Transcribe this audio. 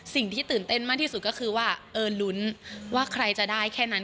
สิ่งที่ตื่นเต้นมากที่สุดก็คือว่าเออลุ้นว่าใครจะได้แค่นั้น